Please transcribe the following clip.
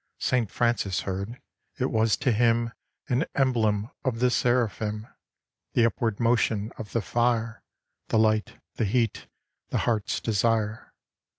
St. Francis heard: it was to him An emblem of the Seraphim; The upward motion of the fire. The Hght, the heat, the heart's desire.